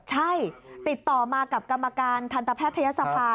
ใช่ติดต่อมากับกรรมการทันตแพทยศภา